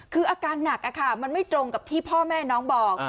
คืออาการหนักมันไม่ตรงกับที่พ่อแม่น้องบอก